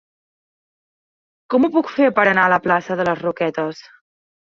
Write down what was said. Com ho puc fer per anar a la plaça de les Roquetes?